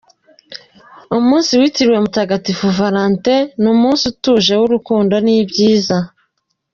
Umunsi witiriwe mutagatifu Velentin ni umunsi utuje, w’urukundo n’ibyiza.